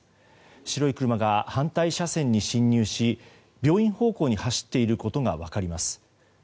白い車が反対車線に進入し病院方向に走っていることが分かります。